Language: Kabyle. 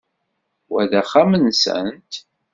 Wa d axxam-nsent?